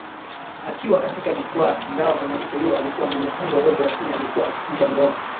akiwa katika jukwaa Ingawa mwanamke huyo alikuwa mwenye umbo dogo lakini alikuwa akipiga ngoma